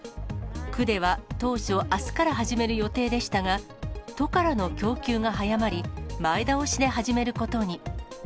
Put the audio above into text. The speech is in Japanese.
区では当初、あすから始める予定でしたが、都からの供給が早まり、前倒しで始めることに。